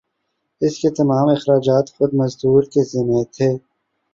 اس کے تمام اخراجات خود مزدور کے ذمہ تھے